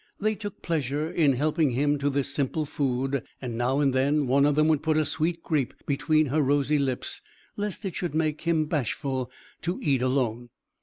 They took pleasure in helping him to this simple food; and, now and then, one of them would put a sweet grape between her rosy lips, lest it should make him bashful to eat alone.